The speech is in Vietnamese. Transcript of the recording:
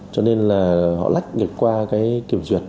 cho nên là họ lách được qua cái kiểm duyệt